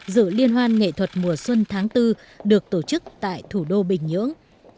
dự liên hoan nghệ thuật mùa xuân tháng bốn được tổ chức tại thủ đô bình nhưỡng